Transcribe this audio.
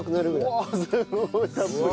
うわっすごいたっぷり。